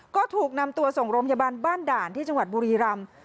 ก็ถูกนำตัวส่งโรงพยาบาลบ้านด่านที่จังหวัดบุรีรำ